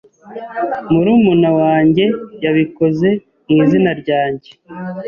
Murumuna wanjye yabikoze mu izina ryanjye.